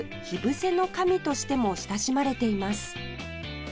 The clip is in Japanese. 「火伏せの神」としても親しまれています